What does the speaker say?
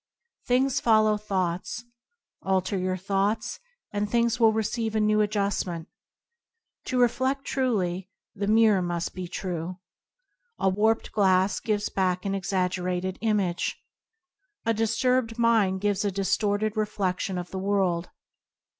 Things follow thoughts. Alter your thoughts, and things will receive a new adjustment. To refled truly, the mirror must be true. A warped glass gives back an exaggerated image. A disturbed mind gives a distorted refledion of the world.